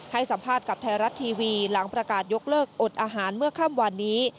ให้สัมภาษณ์กับไทยรัฐทีวีหลังประกาศยกเลิกอดอาหารเมื่อค่ำวันนี้